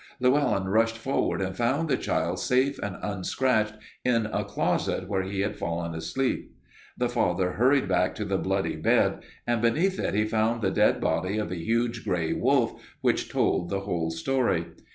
Llewelyn rushed forward and found the child safe and unscratched in a closet where he had fallen asleep. The father hurried back to the bloody bed, and beneath it he found the dead body of a huge gray wolf which told the whole story.